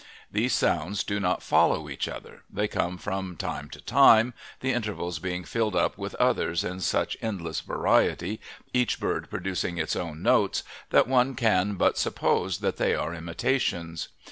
These sounds do not follow each other; they come from time to time, the intervals being filled up with others in such endless variety, each bird producing its own notes, that one can but suppose that they are imitations.